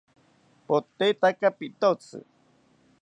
Potetaka pitotzi